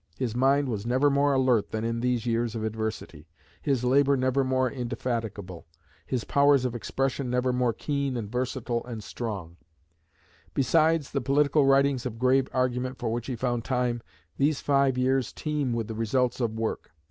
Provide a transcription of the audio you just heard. His mind was never more alert than in these years of adversity, his labour never more indefatigable, his powers of expression never more keen and versatile and strong. Besides the political writings of grave argument for which he found time, these five years teem with the results of work.